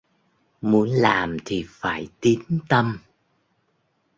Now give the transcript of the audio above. Muốn làm thì phải Tín Tâm